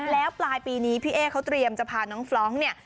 แล้วปลายปีนี้พี่เอ๊เขาเตรียมจะพาน้องฟร้องเนี่ย